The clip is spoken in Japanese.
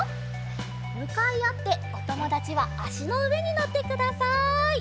むかいあっておともだちはあしのうえにのってください。